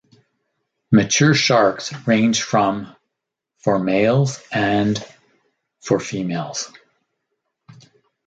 Mature sharks range from for males and for females.